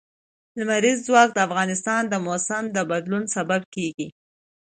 لمریز ځواک د افغانستان د موسم د بدلون سبب کېږي.